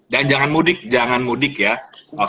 dan jangan mudik jangan mudik ya